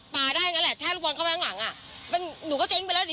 ได้งั้นแหละถ้าลูกบอลเข้าไปข้างหลังอ่ะหนูก็เจ๊งไปแล้วดิ